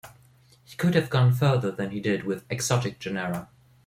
He could have gone further than he did with "exotic" genera.